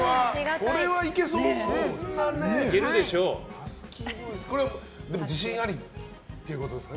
これはいけそうなね。